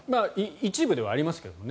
一部ではありますけどね。